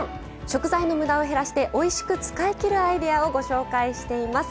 食材のむだを減らしておいしく使いきるアイデアをご紹介しています。